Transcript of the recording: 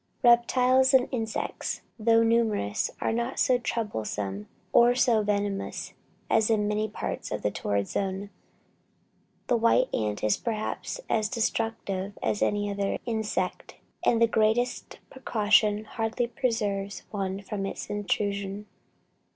Reptiles and insects, though numerous, are not so troublesome or so venomous as in many parts of the torrid zone. The white ant is perhaps as destructive as any other insect, and the greatest precaution hardly preserves one from its intrusion.